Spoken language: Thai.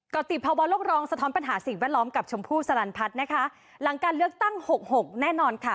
ก็ติดภาวะโลกรองสะท้อนปัญหาสิ่งแวดล้อมกับชมพู่สลันพัฒน์นะคะหลังการเลือกตั้งหกหกแน่นอนค่ะ